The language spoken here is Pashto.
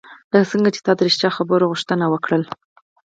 لکه څنګه چې تا د سپینو خبرو غوښتنه وکړه.